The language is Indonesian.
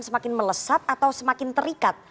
semakin melesat atau semakin terikat